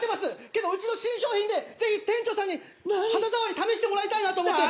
けど、うちの新商品でぜひ店長さんに肌触り試してもらいたいなと思って。